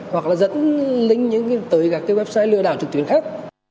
hoặc là dẫn link tới các cái website lừa đảo trực tuyến khác